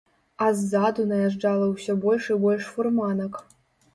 А ззаду наязджала ўсё больш і больш фурманак.